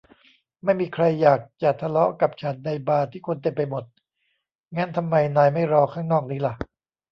ไม่มีใครอยากจะทะเลาะกับฉันในบาร์ที่คนเต็มไปหมด งั้นทำไมนายไม่รอข้างนอกนี้ล่ะ